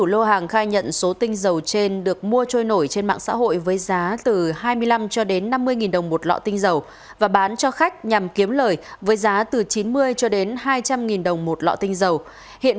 lô hàng hóa gồm hai trăm bảy mươi bảy lọ tinh dầu không rõ nguồn gốc xuất xứ dùng cho thuốc lá điện tử dùng cho thuốc lá điện tử